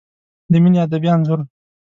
د مینې ادبي انځور